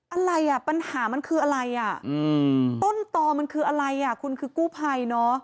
อะไรอ่ะปัญหามันคืออะไรอ่ะต้นต่อมันคืออะไรอ่ะคุณคือกู้ภัยเนอะ